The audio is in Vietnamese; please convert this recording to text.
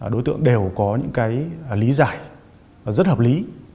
đối tượng đều có những cái lý giải rất hợp lý